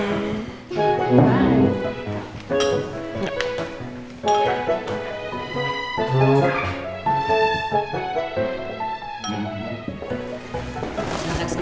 semangat sendiri kan